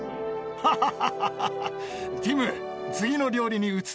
ハハハハハ。